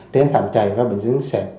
trên tạm chạy và bệnh nhân sẽ